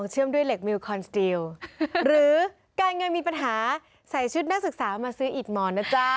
หรือการเงินมีปัญหาใส่ชุดหน้าศึกษามาซื้ออิทมอนด์นะจ๊ะ